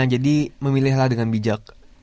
jadi memilihlah dengan bijak